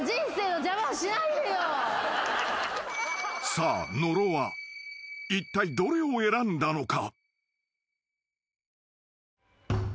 ［さあ野呂はいったいどれを選んだのか？］